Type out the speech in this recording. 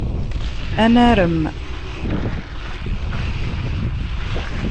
Ad narem.